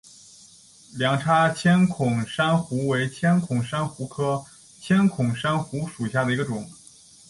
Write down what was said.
两叉千孔珊瑚为千孔珊瑚科千孔珊瑚属下的一个种。